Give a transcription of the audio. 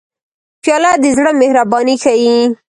پیاله د زړه مهرباني ښيي.